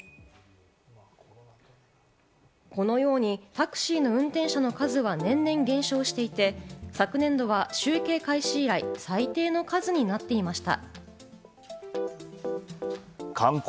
このようにタクシーの運転者の数は年々減少していて、昨年度は集計開始以来、最低の数になっていました。